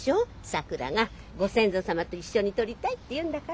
さくらがご先祖様と一緒に撮りたいっていうんだから。